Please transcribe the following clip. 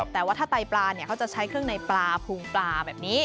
แต่ว่าถ้าไตปลาเขาจะใช้เครื่องในปลาพุงปลาแบบนี้